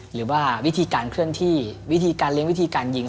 หรือว่าวิธีการเคลื่อนที่วิธีการเลี้ยงวิธีการยิง